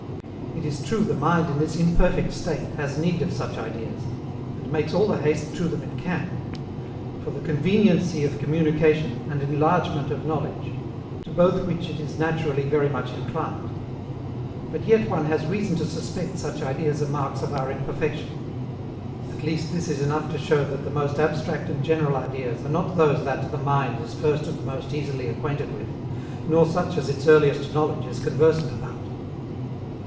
It is true the mind in this imperfect state has need of such ideas, and makes all the haste to them it can, for the CONVENIENCY OF COMMUNICATION AND ENLARGEMENT OF KNOWLEDGE, to both which it is naturally very much inclined. But yet one has reason to suspect such ideas are marks of our imperfection. At least this is enough to show that the most abstract and general ideas are not those that the mind is first and most easily acquainted with, nor such as its earliest knowledge is conversant about."